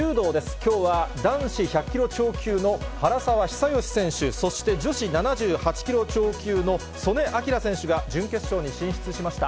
きょうは男子１００キロ超級の原沢久喜選手、そして女子７８キロ超級の素根輝選手が、準決勝に進出しました。